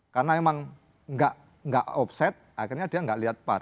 karena emang enggak enggak offset akhirnya dia enggak lihat var